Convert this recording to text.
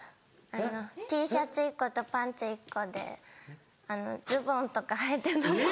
あのＴシャツ１個とパンツ１個でズボンとかはいてなくて。